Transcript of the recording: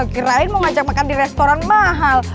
kirain mau ngajak makan di restoran mahal